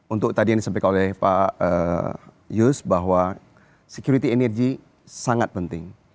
untuk tadi yang disampaikan oleh pak yus bahwa security energy sangat penting